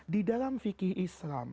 di dalam fikir islam